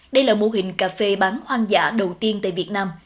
đây là mô hình cafe bán hoang dã đầu tiên tại việt nam